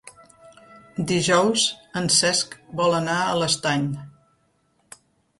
Dijous en Cesc vol anar a l'Estany.